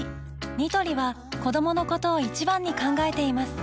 ニトリは子どものことを一番に考えています